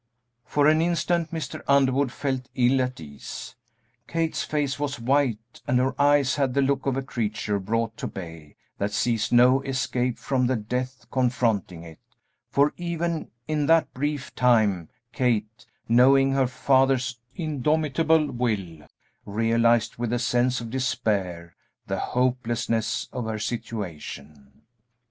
For an instant Mr. Underwood felt ill at ease; Kate's face was white and her eyes had the look of a creature brought to bay, that sees no escape from the death confronting it, for even in that brief time Kate, knowing her father's indomitable will, realized with a sense of despair the hopelessness of her situation.